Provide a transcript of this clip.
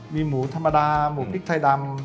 มีหมูธรรมดาหมูพริกไทยดำ